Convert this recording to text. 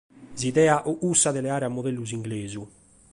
S’idea fiat cussa de leare a modellu s’inglesu.